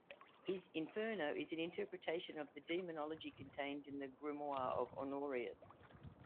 His "Inferno" is an interpretation of the demonology contained in the Grimoire of Honorius.